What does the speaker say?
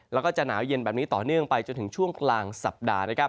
แล้วก็จะหนาวเย็นแบบนี้ต่อเนื่องไปจนถึงช่วงกลางสัปดาห์นะครับ